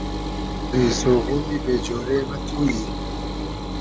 پئری سوغودی بې جۉرې مۂ تو یی